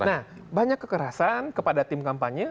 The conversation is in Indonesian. nah banyak kekerasan kepada tim kampanye